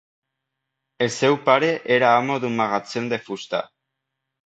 El seu pare era amo d'un magatzem de fusta.